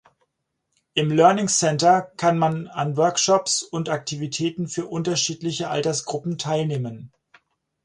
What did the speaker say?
Im "Learning Centre" kann man an Workshops und Aktivitäten für unterschiedliche Altersgruppen teilnehmen.